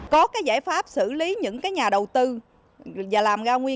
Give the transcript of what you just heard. có cái giải pháp xử lý những cái nhà đầu tư và làm ra nguyên